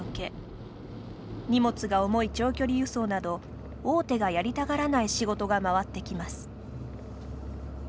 荷物が重い長距離輸送など大手がやりたがらない仕事が回ってきます。